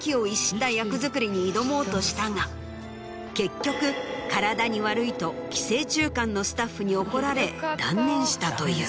に挑もうとしたが結局「体に悪い」と寄生虫館のスタッフに怒られ断念したという。